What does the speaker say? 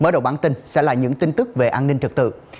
mở đầu bản tin sẽ là những tin tức về an ninh trật tự